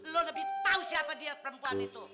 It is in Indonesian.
lo lebih tahu siapa dia perempuan itu